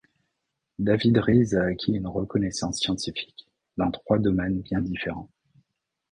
David Rees a acquis une reconnaissance scientifique dans trois domaines bien différents.